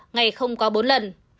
ngày không quá bốn lần